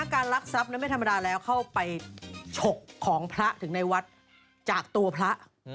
การลักทรัพย์นั้นไม่ธรรมดาแล้วเข้าไปฉกของพระถึงในวัดจากตัวพระ